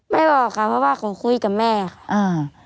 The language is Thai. ไม่บอกค่ะเพราะว่าคุณคุยกับแม่ค่ะ